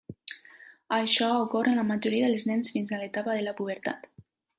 Això ocorre en la majoria dels nens fins a l'etapa de la pubertat.